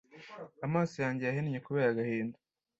Amaso yanjye yahennye kubera agahinda